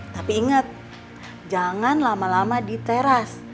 tapi ingat jangan lama lama diteras